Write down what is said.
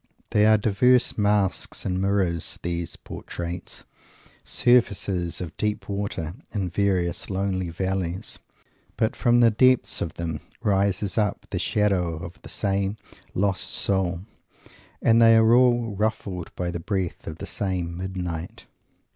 They are diverse masks and mirrors, these portraits, surfaces of deep water in various lonely valleys, but from the depths of them rises up the shadow of the same lost soul, and they are all ruffled by the breath of the same midnight.